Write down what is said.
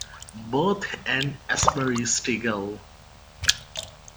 Booth and Asbury Stegall.